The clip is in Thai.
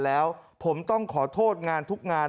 ขอเลื่อนสิ่งที่คุณหนูรู้สึก